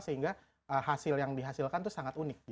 sehingga hasil yang dihasilkan itu sangat unik